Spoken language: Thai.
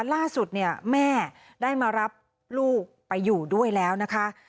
ล่าสุดเนี่ยแม่ได้มารับลูกไปอยู่ด้วยแล้วนะคะ